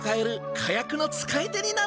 火薬の使い手になれ！